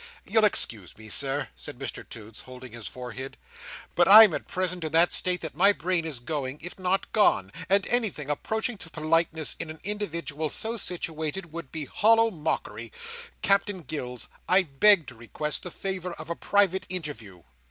"You'll excuse me, Sir," said Mr Toots, holding his forehead, "but I'm at present in that state that my brain is going, if not gone, and anything approaching to politeness in an individual so situated would be a hollow mockery. Captain Gills, I beg to request the favour of a private interview."